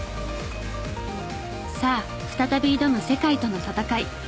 さあ再び挑む世界との戦い。